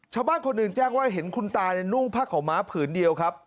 ชาวบ้านคนหนึ่งแจ้งว่าเห็นคุณตานุ่งผ้าขาวม้าผืนเดียวครับ